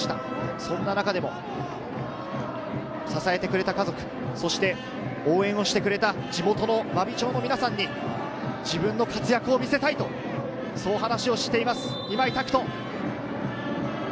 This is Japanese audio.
そんな中でも支えてくれた家族、そして応援をしてくれた地元の真備町の皆さんに自分の活躍を見せたいと、そう話しをしています今井拓人。